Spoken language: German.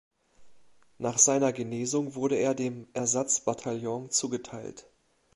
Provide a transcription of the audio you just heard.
Nach seiner Genesung wurde er dem Ersatz-Bataillon zugeteilt.